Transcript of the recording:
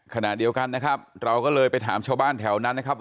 ขณะเดียวกันนะครับเราก็เลยไปถามชาวบ้านแถวนั้นนะครับ